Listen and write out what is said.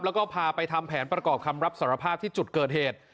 แล้วก็พาไปทำแผนประกอบคำรับสารภาพที่จุดเกิดเหตุ